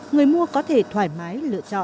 người mua có thể thoải mái lựa chọn